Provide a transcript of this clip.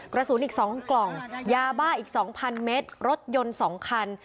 กระสุนอีก๒กล่องยาบ้าอีก๒๐๐เมตรรถยนต์๒คัน